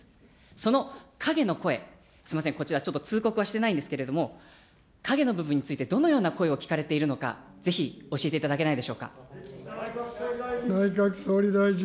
その影の声、すみません、こちらちょっと通告はしていないんですけれども、影の部分について、どのような声を聞かれているのか、ぜひ教えていただけないでしょうか。